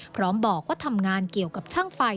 พร้อมบอกว่าทำงานเกี่ยวกับช่างไฟ